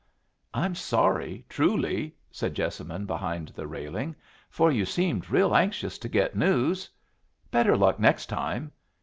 "I'm sorry, truly," said Jessamine behind the railing. "For you seemed real anxious to get news. Better luck next time!